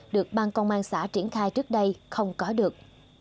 được bang công an xã triển khai trước đây không có được